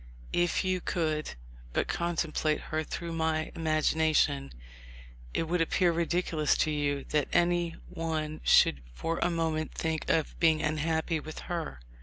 If you could but contemplate her through my imagination, it would appear ridiculous to you that any one should for a moment think of being unhappy with her.